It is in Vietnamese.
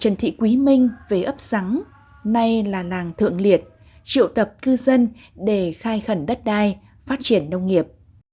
trần thị quý minh về ấp sáng nay là làng thượng liệt triệu tập cư dân để khai khẩn đất đai phát triển nông nghiệp